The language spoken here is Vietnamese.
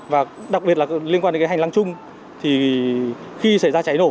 và đặc biệt là liên quan đến cái hành lang chung thì khi xảy ra cháy nổ